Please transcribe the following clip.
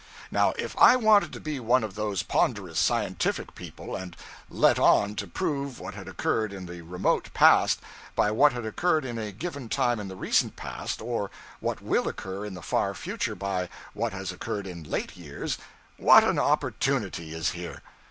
Now, if I wanted to be one of those ponderous scientific people, and 'let on' to prove what had occurred in the remote past by what had occurred in a given time in the recent past, or what will occur in the far future by what has occurred in late years, what an opportunity is here!